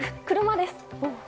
車です。